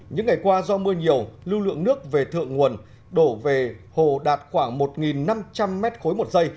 những ngày qua do mưa nhiều lưu lượng nước về thượng nguồn đổ về hồ đạt khoảng một năm trăm linh m ba một giây